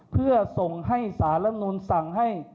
เพื่อส่งให้สารรับนูนสั่งให้